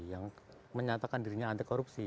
yang menyatakan dirinya anti korupsi